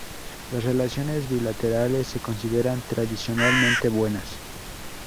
Las relaciones bilaterales se consideran tradicionalmente buenas.